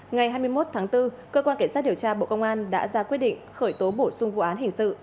ngày hai mươi một tháng bốn cơ quan cảnh sát điều tra bộ công an đã ra quyết định khởi tố bổ sung vụ án hình sự